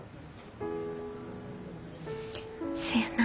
そやな。